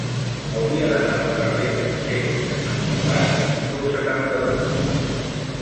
Hauria d'anar al carrer dels Cecs de Sant Cugat número setanta-dos.